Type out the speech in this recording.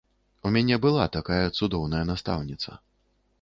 У мяне была такая цудоўная настаўніца.